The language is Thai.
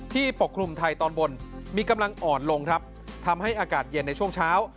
ปกคลุมไทยตอนบนมีกำลังอ่อนลงครับทำให้อากาศเย็นในช่วงเช้า